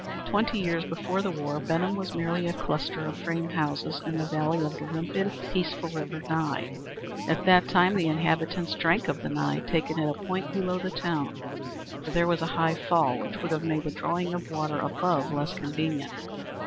Twenty years before the war Benham was merely a cluster of frame houses in the valley of the limpid, peaceful river Nye. At that time the inhabitants drank of the Nye taken at a point below the town, for there was a high fall which would have made the drawing of water above less convenient.